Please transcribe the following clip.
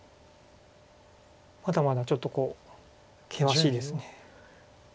まだまだちょっと険しいです。